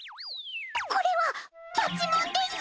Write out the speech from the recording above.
これはパチモンです！